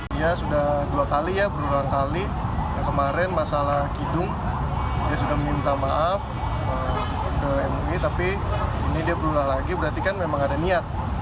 dia sudah dua kali ya berulang kali yang kemarin masalah kidung dia sudah minta maaf ke mui tapi ini dia berulang lagi berarti kan memang ada niat